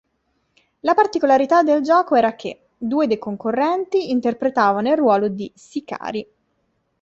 La particolarità del gioco era che, due dei concorrenti interpretavano il ruolo di "sicari".